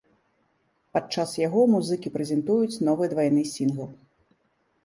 Падчас яго музыкі прэзентуюць новы двайны сінгл.